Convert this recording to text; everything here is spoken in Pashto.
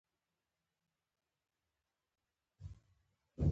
ما څو ورځې هېڅ شى تر ستوني تېر نه کړل.